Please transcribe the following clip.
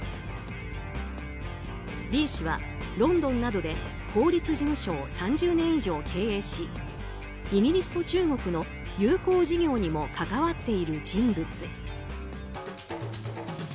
リー氏はロンドンなどで法律事務所を３０年以上経営しイギリスと中国の友好事業にも関わっている人物。